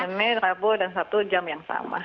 senin rabu dan sabtu jam yang sama